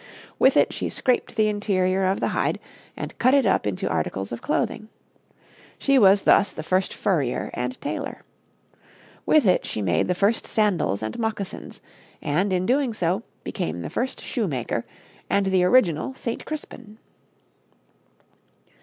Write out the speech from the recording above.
With it she scraped the interior of the hide and cut it up into articles of clothing. She was thus the first furrier and tailor. With it she made the first sandals and moccasins, and, in doing so, became the first shoemaker and the original St. Crispin.